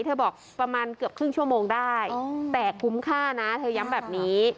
บอกประมาณเกือบครึ่งชั่วโมงได้แต่คุ้มค่านะเธอย้ำแบบนี้